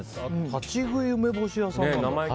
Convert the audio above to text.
立ち喰い梅干し屋さん？